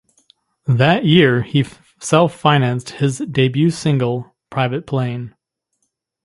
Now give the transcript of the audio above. That year, he self-financed his debut single, "Private Plane".